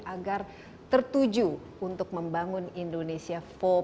agar tertuju untuk membangun indonesia empat